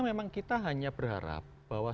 memang kita hanya berharap bahwa